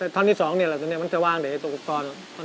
ท่อนที๒นี่เหรอซะเนี้ยมันจะว่างเดี๋ยวไอร์โจรสกุฟตอน